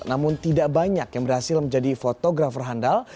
namun tidak banyak yang berhasil menjadi fotografer handal